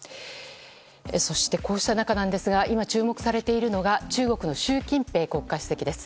そして、こうした中なんですが今注目されているのが中国の習近平国家主席です。